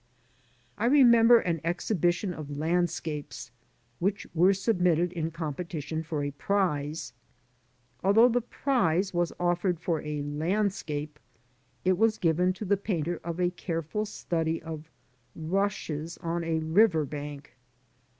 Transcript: I remember an exhibition of ianclscapes wliich were submitted in competition for a prize. Although the prize was offered for a landscape, it was given to the painter of a careful study of rushes on a river bank.